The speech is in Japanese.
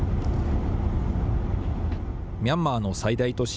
ミャンマーの最大都市